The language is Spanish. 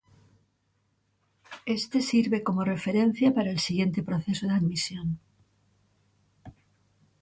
Este sirve como referencia para el siguiente proceso de admisión.